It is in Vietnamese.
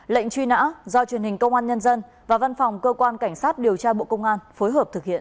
lệnh truy nã do truyền hình công an nhân dân và văn phòng cơ quan cảnh sát điều tra bộ công an phối hợp thực hiện